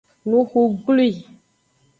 Nuxu glwi.